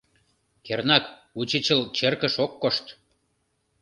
Кернак, учичыл черкыш ок кошт.